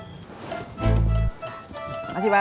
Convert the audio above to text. terima kasih pak